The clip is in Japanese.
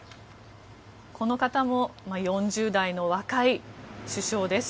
この方も４０代の若い首相です。